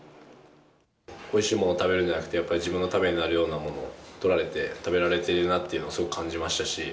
おいしいものを食べるんではなくて、やっぱり自分のためになるようなものをとられて、食べられているなっていうのをすごく感じましたし。